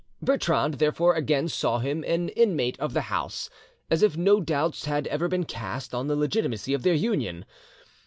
Bertrande therefore again saw him an inmate of the house, as if no doubts had ever been cast on the legitimacy of their union.